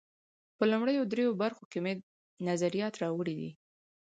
په لومړیو درېیو برخو کې مې نظریات راوړي دي.